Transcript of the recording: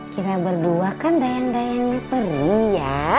kita berdua kan dayang dayangnya pelri ya